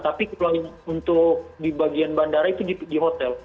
tapi kalau untuk di bagian bandara itu di hotel